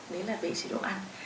đấy là về chế độ ăn